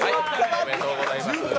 おめでとうございます。